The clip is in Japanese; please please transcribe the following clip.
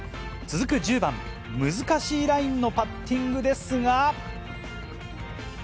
続く１０番、難しいラインのパッティングですが。